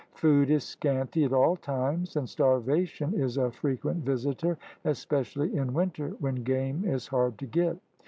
Food is scanty at all times, and starvation is a frequent visitor, especially in winter when game is hard to get.